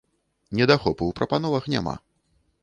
Недахопу ў прапановах няма.